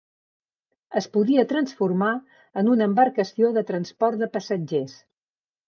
Es podia transformar en una embarcació de transport de passatgers.